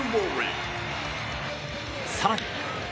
更に。